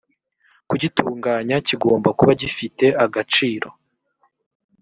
kugitunganya kigomba kuba gifite agaciro